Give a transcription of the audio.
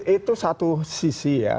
itu satu sisi ya